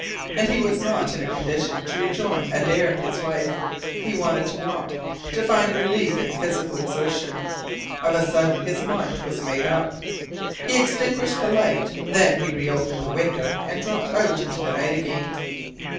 And he was not in a condition to rejoin Adare and his wife. He wanted to walk to find relief in physical exertion, Of a sudden his mind was made up. He extinguished the light. Then he reopened the window, and dropped out into the night again.